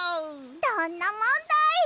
どんなもんだい！